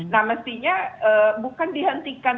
nah mestinya bukan dihentikan